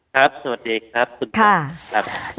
สวัสดีครับคุณท่าน